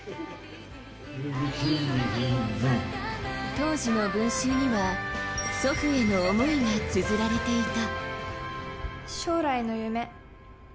当時の文集には祖父への思いがつづられていた。